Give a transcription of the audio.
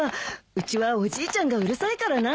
うちはおじいちゃんがうるさいからな。